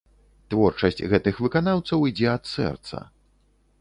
Творчасць гэтых выканаўцаў ідзе ад сэрца.